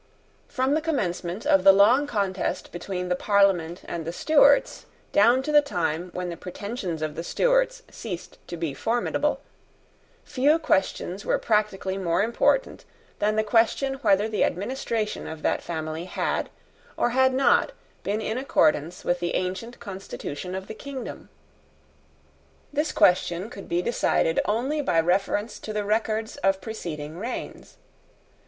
From the commencement of the long contest between the Parliament and the Stuarts down to the time when the pretensions of the Stuarts ceased to be formidable, few questions were practically more important than the question whether the administration of that family had or had not been in accordance with the ancient constitution of the kingdom. This question could be decided only by reference to the records of preceding reigns.